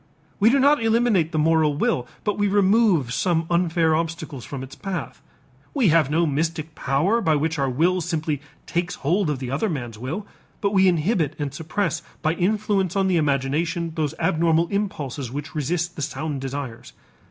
We do not eliminate the moral will but we remove some unfair obstacles from its path. We have no mystic power by which our will simply takes hold of the other man's will, but we inhibit and suppress by influence on the imagination those abnormal impulses which resist the sound desires.